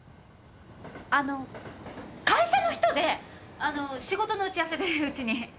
あの会社の人で仕事の打ち合わせでうちに。